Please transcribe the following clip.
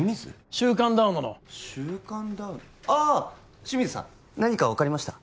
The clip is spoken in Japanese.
週刊ダウノの週刊ダウああ清水さん何か分かりました？